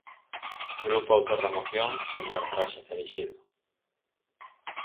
Grupo autor da moción, señor Braxe Cereixido.